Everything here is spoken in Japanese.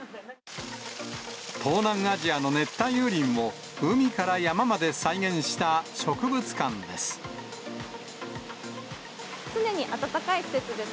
東南アジアの熱帯雨林を海から山まで再現した植物館です。